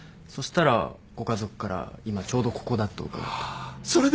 そしたらご家族から今ちょうどここだと伺って。